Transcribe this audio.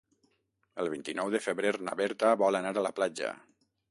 El vint-i-nou de febrer na Berta vol anar a la platja.